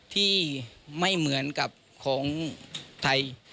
ที่ไม่เหมือนกับของไทย